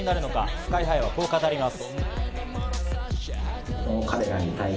ＳＫＹ−ＨＩはこう語ります。